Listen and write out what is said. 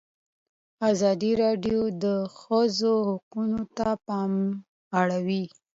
ازادي راډیو د د ښځو حقونه ته پام اړولی.